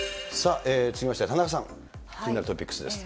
続きまして田中さん、気になるトピックスです。